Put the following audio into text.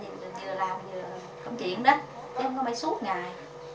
tại vì vừa làm vừa công chuyện đấy chứ không có phải suốt ngày